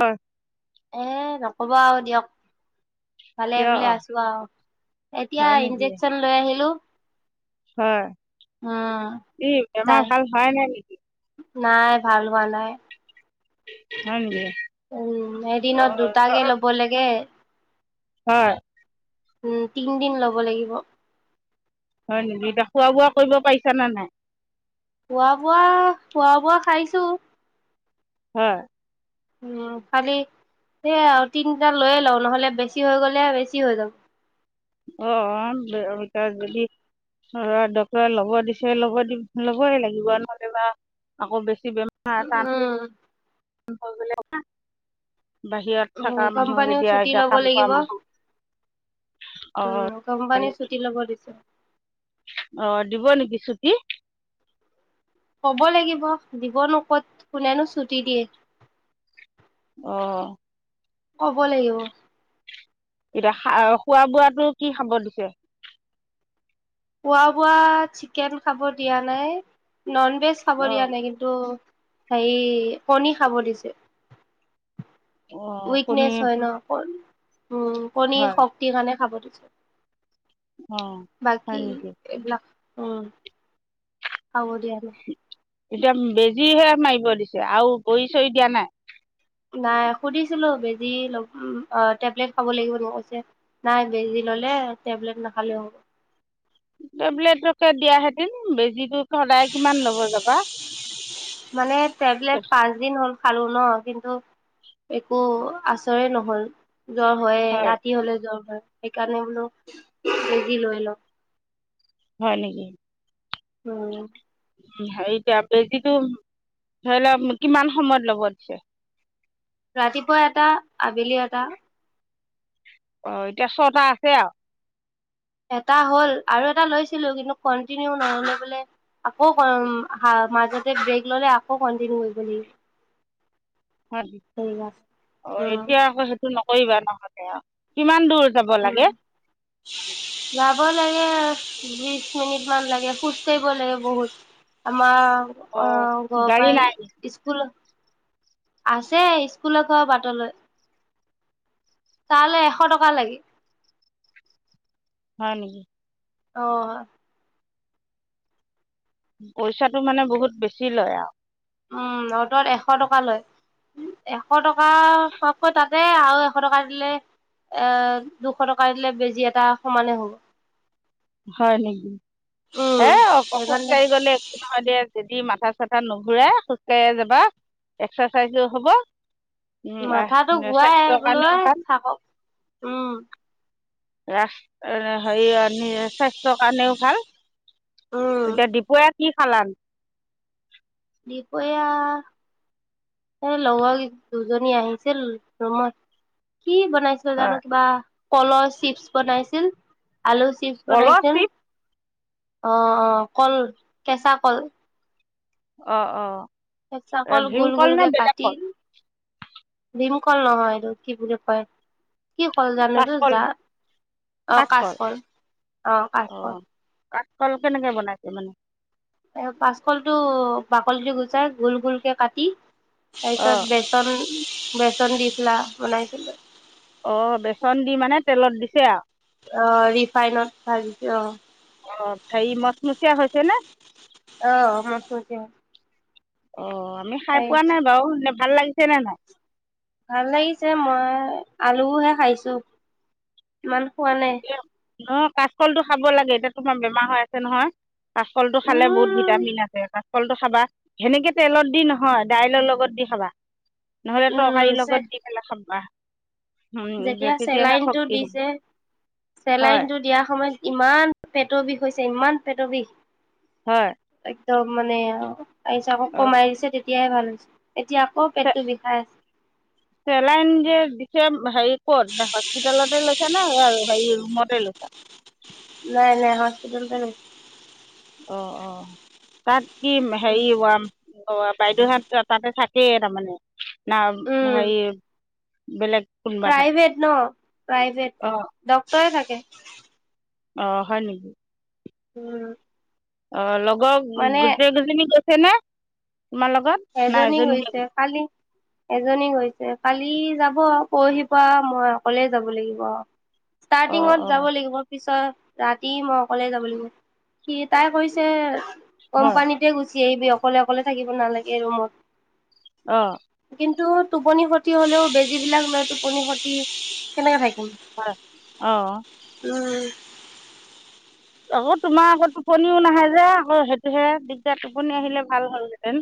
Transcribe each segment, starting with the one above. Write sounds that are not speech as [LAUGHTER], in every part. হয়। এ নক'ব আৰু দিয়ক। ভালে কিয় বোলে আছো আৰু, এতিয়া হয় নেকি ইনজেকশ্যন লৈ আহিলোঁ। হয়, উম কি তাই বেমাৰ ভাল হোৱাই নাই নেকি? নাই, ভাল হোৱা নাই। হয় নেকি। উম, এদিনত অঁ দুটাকে জ্বৰ ল'ব লাগে। হয়। উম, তিনদিন ল'ব লাগিব। হয় নেকি, এতিয়া খোৱা বোৱা কৰিব পাৰিছা নে নাই? খোৱা বোৱা, খোৱা বোৱা খাইছোঁ। হয়। উম' খালি সেয়াই আৰু তিনিটা লৈয়ে লওঁ নহ'লে বেছি হৈ গ'লে বেছি হৈ যাব। অ' অ' তাত যদি ডক্তৰে ল'ব দিছে ল'ব দি ল'বই লাগিব নহ'লে বা আকৌ বেছি বেম উম। [UNINTELLIGIBLE] বাহিৰত উম থকা মানুহ কোম্পানীও যেতিয়া ছুটি এতিয়া লব কাম কৰা লাগিব মানুহ। অঁ উম' কোম্পানী ছুটি ল'ব দিছে। অ' দিব নেকি ছুটি? ক'ব লাগিব, দিবনো ক'ত কোনেনো ছুটি দিয়ে। অ'। ক'ব লাগিব। এতিয়া খা খোৱা বোৱাটো কি খাব দিছে? খোৱা বোৱা চিকেন খাব দিয়া নাই, নন ভেজ খাব দিয়া অঁ নাই কি টো হেৰি কণী খাব দিছে। অঁ কণী উইকনেছ হয় ন, উম' কণীৰ হয় শক্তিৰ কাৰণে খাব দিছে। অঁ হয় বাকী নেকি এইবিলাক উম' খাব দিয়া নাই। এতিয়া বেজিহে মাৰিব দিছে, আৰু বই চৰি দিয়া নাই? নাই সুধিছিলো, বেজি টেবলেট খাব লাগিব সেনেকে কৈছে। নাই বেজি ললে টেবলেট নখালেও হ'ব। টেবলেটকে দিয়া হেতিন, বেজিটো সদায় কিমান লব যাবা? মানে টেবলেট পাঁচ দিন হ'ল খালো ন, কিন্তু একো আচৰে নহল। জ্বৰ হয়, ৰাতি হলে জ্বৰ হয়, সেইকাৰণে বোলো বেজি লৈ লওঁ। হয় নেকি? অ। উম' টেবলেট যিটো, ধৰি লওঁ কিমান সময়ত ল'ব দিছে? ৰাতিপুৱা এটা, আবেলি এটা। অ' এতিয়া ছটা আছে আৰু। এটা হ'ল আৰু এটা লৈছিলো কিন্তু কন্টিনিউ নহলে বোলে। আকৌ মাজতে ব্ৰেক ললে, আকৌ কণ্টিনিউ হৈ গলি। লাগিব। অ' এতিয়া উম, আকৌ সেইটো নকৰিবা নহলে আৰু। কিমান দূৰ যাব লাগে? যাব লাগে, বিশ মিনিট মান লাগে খোজ কঢ়িব লাগে বহুত। আমাৰ অ ঘৰ গাড়ী পাই নাই স্কুল, আছে স্কুলৰ পৰাও বাটলৈ। তালে এশ টকা লাগে। হয় নেকি? অ। পইচাটো মানে বহুত বেছি লয় আও। উম' অ'তত এশ টকা লয়। এশ টকা পককৈ তাতে আৰু এশ টকা দিলে এ দুশ টকা দিলে বেজি এটা সমানে হ'ব। হয় নেকি, উম হে অ খোজ সেইকাৰণে কাঢ়ি গলে নহয় দে যদি মাথা চাথা নুঘূৰাই, খোজকঢ়িয়ে যাবা। এক্সাৰচাইজ হ'ব- উম আহ মাথাতো ঘোৱাই স্বাস্থ্যৰ বোলো কাৰণেও ভাল থাকক। ৰাচ হেৰি অঁ স্বাস্থ্যৰ কাৰণেও ভাল। উম এতিয়া দূপৰিয়া কি খালানো? দুপৰীয়া- এ লগৰ দুজনী আহিছিল ৰুমত কি বনাইছিল- হয় জানো কিবা কলৰ চিপছ বনাইছিল আলুৰ চিপছ কলৰ বনাইছিল- চিপ অঁ অঁ কল কেঁচা কল। অঁ অঁ! কেচা কল গোল গোল কে কাটি ভীমকল নহয় এইটো কি বুলি কয়। কি কল জানো তো কাচকল যা নে? অঁ কাচকল কাজকল অঁ কাচকল। কল কেনেকে বনাইছে মানে? কাচকল টো বাকলিটো গুচাই গোল গোল কে কাটি অ তাৰ পিছত বে- বেচন বেচন দি পেলাই বনাইছিলো। অঁ বেচন দি মানে তেলত দিছে আও- অঁ ৰিফাইনত ভাজিছে অঁ। অঁ হেৰি মচমচীয়া হৈছে নে? অঁ মছ মছিয়া। অঁ আমি খাই পোৱা নাই বাৰু এনে ভাল লাগিছে নে নাই? ভাল লাগিছে মই আলুহে খাইছোঁ ইমান খোৱা নাই। ন কাচকলটো খাব লাগে এতিয়া তোমাৰ বেমাৰ হৈ আছে নহয়। কাচ কলটো খালে বহুত উম ভিটামিন আছে কাচ- কলটো খাবা সেনেকে তেলত দি নহয় দাইলৰ লগত দি খাবা। নহলে উম তৰকাৰীৰ চে লগত দি পেলাই খাবা। উম যেতিয়া তেতিয়াহে চেলাইনটো শক্তি হ'ব দিছে- হয় চেলাইনটো দিয়াৰ সময়ত ইমান পেটৰ বিষ হৈছে ইমান পেটৰ বিষ- হয়ঁ। একদম মানে আও তাৰপিছত আকৌ অ কমাই দিছে তেতিয়াহে ভাল হৈছে। এতিয়া আকৌ পেটটো বিষাই আছে। চেলাইন যে দিছে হেৰি কত হস্পিতেলতে লৈছে নে আৰু হেৰি ৰুমতে লৈছা? নাই নাই হস্পিটেলতে লৈছোঁ। অঁ অঁ তাত কি হেৰি ওৱান। অঁ বাইদেউহঁত তাতে থাকেই তাৰমানে না উম হেৰি- বেলেগ- কোনোবা থাকে প্ৰাইভেট ন প্ৰাইভেট অ ডক্তৰে থাকে। অঁ হয় নেকি? উমঁ! অঁ লগৰ গোটেই কেইজনী গৈছে নে তোমাৰ লগত। নাই এজনী এজনীহে গৈছে কালি- এজনী গৈছে কালি যাব পৰহি পা মই অকলে যাব লাগিব আও। অ ষ্টাৰ্টিঙত অ যাব লাগিব। পিছত ৰাতি মই অকলে যাব লাগিব সি তাই কৈছে হয় কোম্পানীত- তে গুচি আহিবি অকলে অকলে থাকিব নালাগে ৰুমত। অঁ! কিন্তু টোপনি খটি হলেওঁ বেজী বিলাক লৈ টোপনি খতি কেনেকে থাকিম। হয়, অ'। উম। আকৌ তোমাৰ আকৌ টোপনিও নাহে যে, আকৌ সেইটোহে দিগদাৰ টোপনি আহিলে ভাল হ'লহেঁতেন।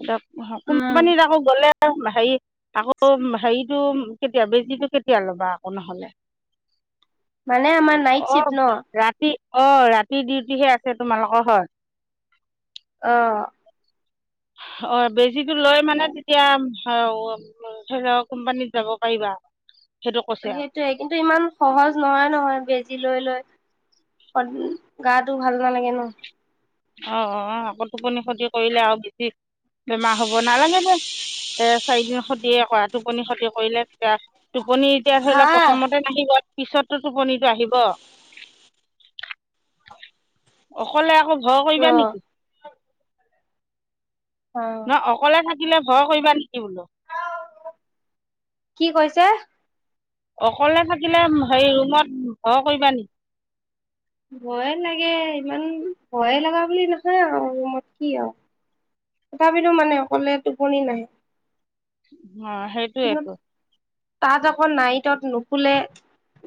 এতিয়া সক, উম কোম্পানীত যাব গ'লে। আ হেৰি আকৌ হেৰিটো কেতিয়া, বেজিটো কেতিয়া ল'বা আকৌ নহ'লে? মানে আমাৰ অ নাইট শ্বিফট ন'। ৰাতি, অ' ৰাতি ডিউটিহে আছে তোমালোকৰ হয়। অহ'। হয়, বেজিটো লৈ মানে তেতিয়া [INAUDIBLE] হ'লেও কোম্পানীত যাব পাৰিবা, সেইটো কৈছে আৰু। সেইটোয়ে কিন্তু ইমান সহজ নহয় নহয়, বেজি লৈ লৈ। সদাই গাটো ভাল নালাগে ন। অ', অ', অ' আকৌ টোপনি ক্ষতি কৰিলে আৰু বেছি বেমাৰ হ'ব, নালাগে দে। এ চাৰিদিন ক্ষতিয়ে হয়, আৰু টোপনি ক্ষতি কৰিলে তেতিয়া, টোপনি এতিয়া হা ধৰিলে প্ৰথমতে নাহিব, পিছতো টোপনিটো আহিব। অকলে আকৌ ভয় কৰিবা অ' নেকি? অ' নহয়, অকলে থাকিলে ভয় কৰিবা নেকি বোলো? কি কৈছে? অকলে থাকিলে হেৰি ৰুমত ভয় কৰিবা নেকি? ভয়ে লাগে, ইমান ভয় লগা বুলি নহয় আৰু ৰুমত কি আৰু। তথাপিতো মানে অকলে টোপনি নাহে। অ' সেই দি, তাঁত আকৌ নাইটত নুশুলে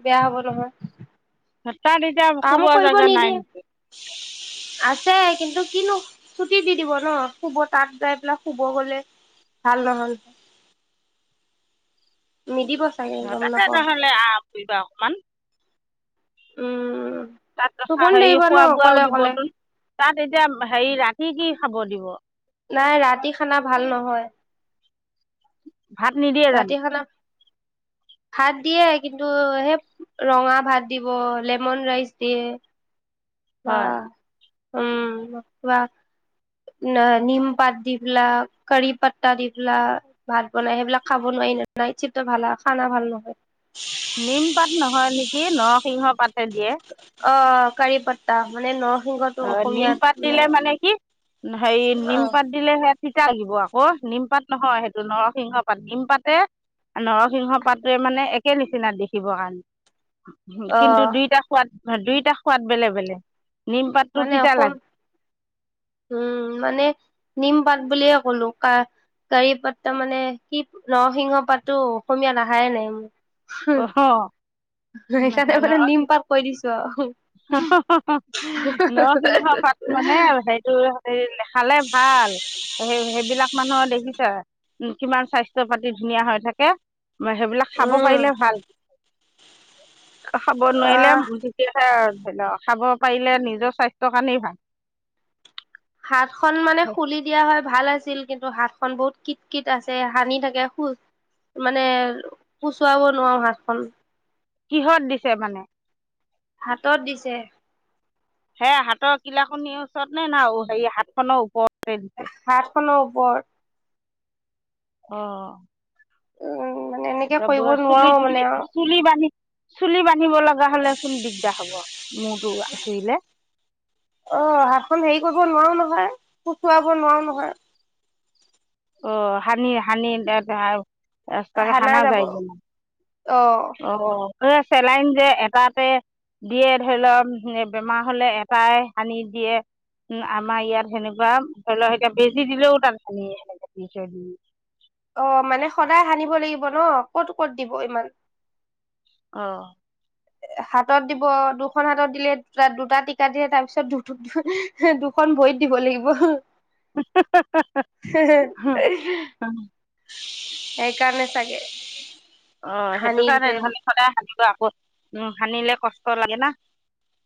বেয়া হ'ব নহয়। তাত এতিয়া কাম শুব কৰিব জাগা নাই। [UNINTELLIGIBLE] আছে, কিন্তু কিনো ছুটি দি দিব ন, শুব তাত যাই পেলাই শুব গ'লে। ভাল নহ'ল। নিদিব। চাগে অ' গম তাতে নাপাওঁ নহ'লে আহ ফুৰিবা অকমান। উম। তাত ৰখা, টোপনি হেৰি ধৰিব ন খোৱা অকলে বোৱাও দিব অকলে তোন, তাত এতিয়া হেৰি ৰাতি কি খাব দিব। নাই ৰাতি খানা ভাল নহয়। ভাত নিদিয়ে জানো ৰাতি খানা ভাত দিয়ে, কিন্তু সেই ৰঙা ভাত দিব, লেমন ৰাইচ দিয়ে। হয় বাহ, উম, বা। না নীম পাত দি পোলাৱ, কাৰি পাত্তা দি পোলাৱ ভাত বনাই, সেইবিলাক খাব নোৱাৰি ন'। নাইট চিপটোৰ ভালা, খানা ভাল নহয়। নিম পাত নহয় নেকি, নৰসিংহ পাতে দিয়ে। অ', অ' কাৰি পাত্তা মানে নৰস অ' নীম পাত দিলে মানে কি, হেৰি অ নীম পাত দিলে সেয়া তিতা আহিব আকৌ, নিমপাত নহয় সেইটো নৰসিংহ পাত নীম পাতে নৰসিংহ পাতটোৱে মানে একে নিচিনা দেখিবৰ কাৰণে। উম, অ কিন্তু দুইটা সোৱাদ, দুইটা সোৱাদ বেলেগ বেলেগ নীম পাত মানে অসম উম, মানে নীমপাত বুলিয়ে ক'লো কা কাৰি পাত্তা মানে কি নৰসিংহ পাততো অসমীয়াত আহাই নাই মোৰ। অহ'। সেইকাৰণে নহয় মানে নহয় নিম পাত কৈ দিছো আৰু নৰসিংহ তাত মানে সেইটো নেখালে ভাল। সেই সেইবিলাক মানুহৰ দেখিছে উম, কিমান স্বাস্থ্য পাতি ধুনীয়া হৈ থাকে। সেইবিলাক খাব উম পাৰিলে ভাল, খাব নোৱাৰিলে আহ [UNINTELLIGIBLE] ধৰিলে অ, খাব পাৰিলে নিজৰ স্বাস্থ্যৰ কাৰণেই ভাল। হাতখন মানে খুলি দিয়া হয় ভাল আছিল কিন্তু হাতখন বহুত কিট কিত আছে হানি থাকে খু মানে পুচুৱাব নোৱাৰো হাতখন। কিহত দিছে মানে? হাতত দিছে। হে হাতৰ কিলা কনিৰ ওচৰত নে না হেৰি হাতখনৰ ওপৰতে দিছে? হাতখনৰ ওপৰত। অ। উম মানে এনেকে কৰিব [UNINTELLIGIBLE] চুলি নোৱাৰো টুলি মানে আৰু চুলি বান্ধি চুলি বান্ধিব লগা হ'লে চোন দিগদাৰ হ'ব মুৰটো আচুৰিলে। অ, হাতখন হেৰি কৰিব নোৱাৰাও নহ, য় পুচুৱাব নোৱাৰো নহয়। অ, হানি হানি [UNINTELLIGIBLE] ৰাস্তাকে হানা যায় যে। অ, চেলাইন যে এটাতে দিয়ে ধৰি লওক বেমাৰ হ'লে এটাই হানি দিয়ে। উম, আমাৰ ইয়াত সেনেকুৱা ধৰি লওক এতিয়া বেছি দিলেও তাত সানি সেনেকে দি থৈ দিয়ে। অ', মানে সানিব লাগিব ন ক'ত ক'ত দিব ইমান? অ। হাতত দিব দুখন হাতত দিলে দুটা টিকাত দিয়ে তাৰপিছত দু-দু দুখন ভৰিত দিব লাগিব। [UNINTELLIGIBLE] সেই কাৰণে চাগে। অ, সেইটো সানি কাৰণে দিছে নহলে সদায় হানিব আকৌ উম, হানিলে কষ্ট লাগে না।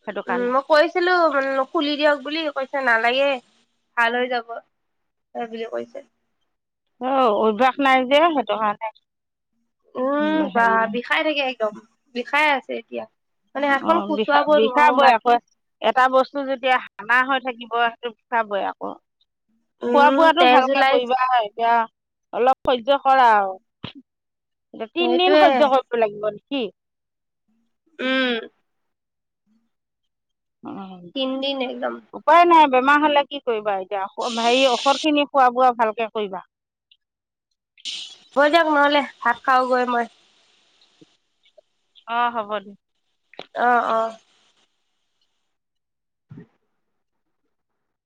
সেইটো উম, কাৰণে মই কৈছিলো মানে খুলি দিয়ক বুলি কৈছে নালাগে ভাল হৈ যাব। বুলি কৈছে। অভ্যাস নাই যে সেইটো কাৰনে। উম, বা বিষাই থাকে একদম বিষাই আছে এতিয়া। মানে অ হাতখন বিষা কুচুৱাব নোৱাৰো বিষাবই বাকী আকৌ এটা বস্তু যেতিয়া হানা হৈ থাকিব সেইটো বিষাবই আকৌ। খোৱা উম বোৱাটো তেজ ভালকে ওলাই কৰিবা হয়, এতিয়া অলপ সহ্য কৰা আৰু। তিনদিন সেইটোয়ে সহ্য কৰিব লাগিব নেকি? উম। অ', তিনদিন একদম উপায় নাই বেমাৰ হ'লে কি কৰিবা? এতিয়া হেৰি ঔষধ খিনি খোৱা বোৱা ভালকে কৰিবা। হৈ যাওক নহ'লে ভাত খাও গৈ মই। অ, হ'ব দে। অ', অ'।